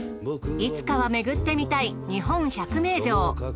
いつかはめぐってみたい日本１００名城。